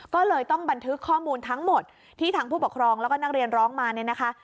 ก็เลยต้องบันทึกข้อมูลทั้งหมดที่ทางผู้ปกครองแล้วก็นักเรียนร้องมาเนี่ยนะคะ